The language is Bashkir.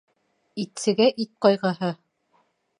Итсегә ит ҡайғыһы